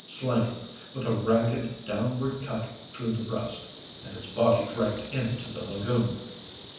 Slain, with a ragged, downward cut through the breast and his body dragged into the lagoon!